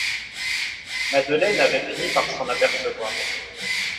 Madeleine avait fini par s'en apercevoir.